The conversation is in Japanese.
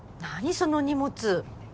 その荷物。